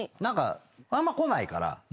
何かあんま来ないから。